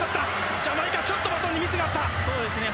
ジャマイカ、ちょっとバトンにミスがあった。